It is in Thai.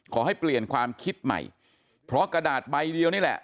ขอให้เปลี่ยนความคิดใหม่เพราะกระดาษใบเดียวนี่แหละ